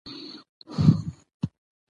غږ ورته وشو: